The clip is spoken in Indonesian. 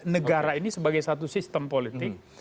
negara ini sebagai satu sistem politik